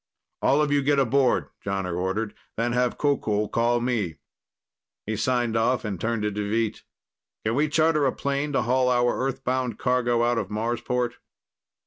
"All of you get aboard," Jonner ordered. "Then have Qoqol call me." He signed off and turned to Deveet. "Can we charter a plane to haul our Earthbound cargo out of Marsport?"